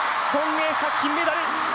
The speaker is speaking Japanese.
エイ莎金メダル。